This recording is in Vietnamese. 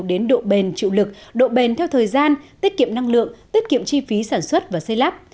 đến độ bền chịu lực độ bền theo thời gian tiết kiệm năng lượng tiết kiệm chi phí sản xuất và xây lắp